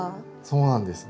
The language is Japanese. そうなんです。